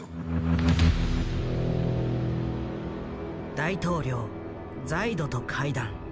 大統領ザイドと会談。